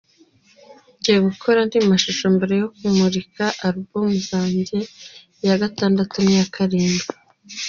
Ngiye gukora andi mashusho mbere yo kumurika album zanjye , iya gatandatu n’iya karindwi”.